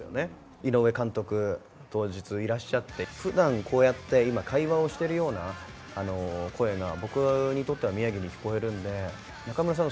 井上監督、当日、いらっしゃって、ふだん、こうやって今、会話をしているような声が、僕にとっては宮城に聞こえるんで、仲村さん